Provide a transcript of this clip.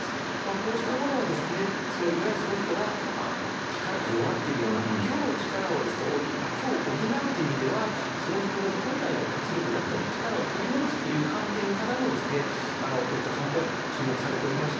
こうしたものはですねいわゆるその人が力が弱っているような虚の力を虚を補うという意味ではその人の本来の活力だったり力を取り戻すという観点からもですねこういった漢方薬って注目されておりまして。